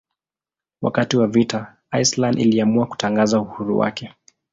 Wakati wa vita Iceland iliamua kutangaza uhuru wake.